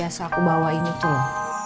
sesuatu yang diperlekatkan